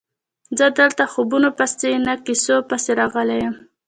زه دلته خوبونو پسې نه کیسو پسې راغلی یم.